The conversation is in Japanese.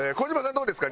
どうですか？